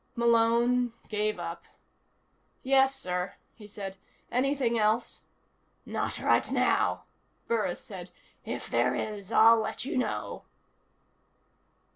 Malone gave up. "Yes, sir," he said. "Anything else?" "Not right now," Burris said. "If there is, I'll let you know."